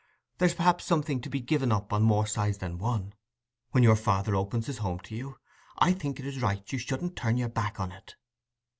There's perhaps something to be given up on more sides than one. When your father opens his home to you, I think it's right you shouldn't turn your back on it."